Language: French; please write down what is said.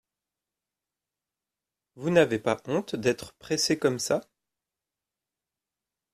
Vous n’avez pas honte d’être pressé comme ça !